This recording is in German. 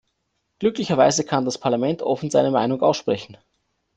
Glücklicherweise kann das Parlament offen seine Meinung aussprechen.